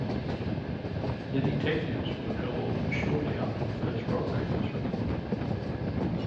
The detectives were called shortly after the first robbery was reported.